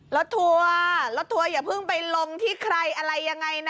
ทัวร์รถทัวร์อย่าเพิ่งไปลงที่ใครอะไรยังไงนะ